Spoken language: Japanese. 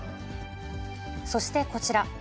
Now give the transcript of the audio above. そして、こちら。